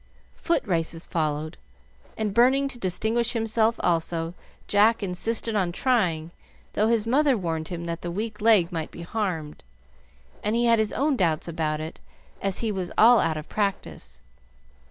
Foot races followed, and, burning to distinguish himself also, Jack insisted on trying, though his mother warned him that the weak leg might be harmed, and he had his own doubts about it, as he was all out of practice.